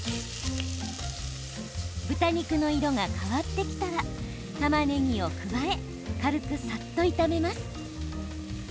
豚肉の色が変わってきたらたまねぎを加え軽くさっと炒めます。